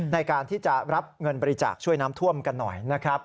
ในการที่จะรับเงินบริจาคช่วยน้ำท่วมกันหน่อยนะครับ